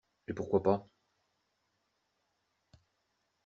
Et pourquoi pas?